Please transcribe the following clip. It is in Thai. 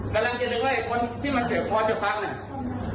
กำลังจะนึกว่าคนที่มาเกี่ยวพอจะฟัง